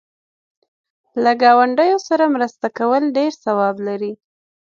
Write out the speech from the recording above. له گاونډیو سره مرسته کول ډېر ثواب لري.